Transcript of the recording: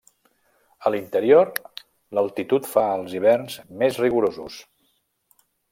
A l'interior, l'altitud fa els hiverns més rigorosos.